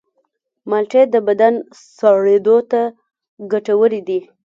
مالټې د بدن سړېدو ته ګټورې دي.